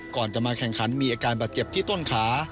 ก่อนจะมาแข่งขันมีอาการบาดเจ็บที่ต้นขา